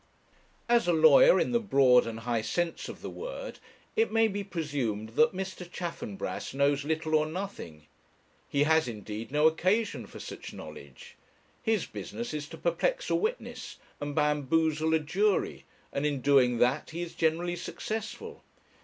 As a lawyer, in the broad and high sense of the word, it may be presumed that Mr. Chaffanbrass knows little or nothing. He has, indeed, no occasion for such knowledge. His business is to perplex a witness and bamboozle a jury, and in doing that he is generally successful.